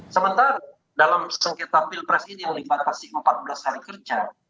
sementara dalam sengketa pilpres ini yang dibatasi empat belas hari kerja